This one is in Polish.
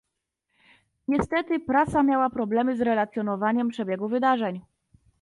Niestety prasa miała problemy z relacjonowaniem przebiegu wydarzeń